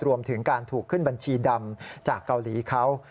รวมถึงการถูกขึ้นบัญชีดำจากเกาหลีเขา